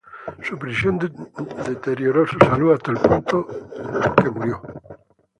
Su prisión deterioró su salud hasta el punto que murió.